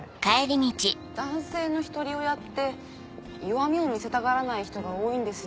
男性のひとり親って弱みを見せたがらない人が多いんですよ。